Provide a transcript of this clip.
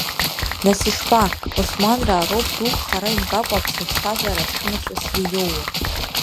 Нас ишԥа, Османраа роуп дук хара имгакәа Аԥсны аԥсҭазаара аԥшәымацәас иаиоуа.